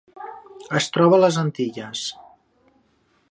Es troba a les Antilles: